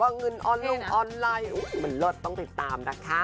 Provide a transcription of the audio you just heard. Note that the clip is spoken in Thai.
เงินออนลงออนไลน์มันเลิศต้องติดตามนะคะ